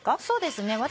そうですね